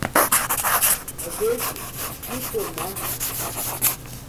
agente diplomático